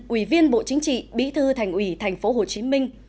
ủy viên bộ chính trị bí thư thành ủy tp hcm